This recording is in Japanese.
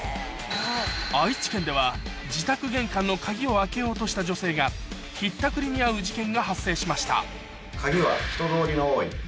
愛知県では自宅玄関の鍵を開けようとした女性がひったくりに遭う事件が発生しました鍵は。